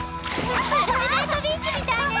プライベートビーチみたいね！